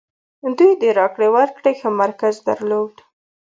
دوی د راکړې ورکړې ښه مرکز درلود.